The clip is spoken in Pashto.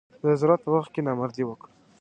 د ضرورت په وخت کې نامردي وکړه.